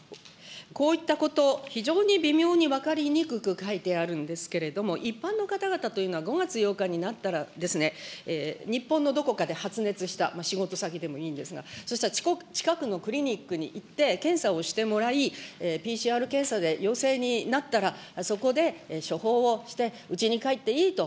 こういったこと、非常に微妙に分かりにくく書いてあるんですけれども、一般の方々というのは、５月８日になったらですね、日本のどこかで発熱した、仕事先でもいいんですが、そしたら近くのクリニックに行って、検査をしてもらい、ＰＣＲ検査で陽性になったら、そこで処方をして、うちに帰っていいと、